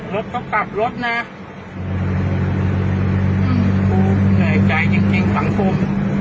รถเขากลับรถน่ะอื้อเหนื่อยใจจริงจริงหลังกลุ่ม